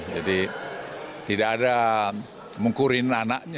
jadi tidak ada mengkurin anaknya